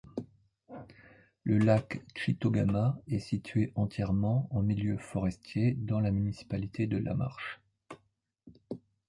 Le lac Tchitogama est situé entièrement en milieu forestier dans la municipalité de Lamarche.